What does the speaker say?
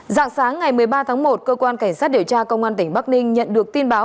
dạng sáng ngày một mươi ba tháng một cơ quan cảnh sát điều tra công an tỉnh bắc ninh nhận được tin báo